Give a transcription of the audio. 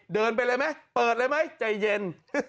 เดินไปเลยไหมเปิดเลยไหมใจเย็น